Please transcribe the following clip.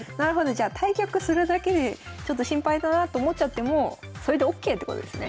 じゃあ対局するだけでちょっと心配だなって思っちゃってもそれでＯＫってことですね。